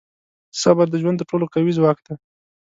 • صبر د ژوند تر ټولو قوي ځواک دی.